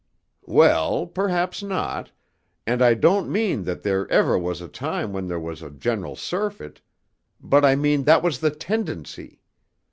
"Well, perhaps not, and I don't mean that there ever was a time when there was a general surfeit, but I mean that was the tendency.